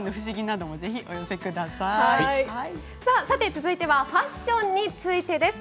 続いてはファッションについてです。